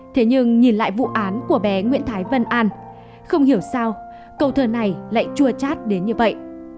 thế nhưng nhìn lại vụ án của bé nguyễn thái vân an không hiểu sao cầu thờ này lại chua chát đến như vậy